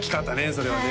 それはね